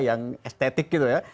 yang estetik gitu ya